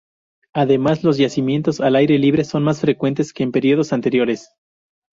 Además, los yacimientos al aire libre son más frecuentes que en períodos anteriores.